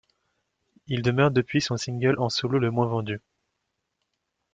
Il demeure depuis son single en solo le moins vendu.